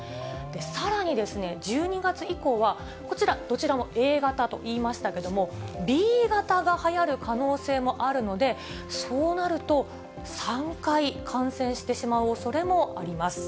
さらにですね、１２月以降は、こちら、どちらもＡ型と言いましたけれども、Ｂ型がはやる可能性もあるので、そうなると、３回感染してしまうおそれもあります。